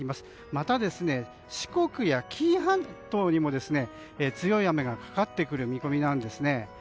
また、四国や紀伊半島にも強い雨がかかってくる見込みです。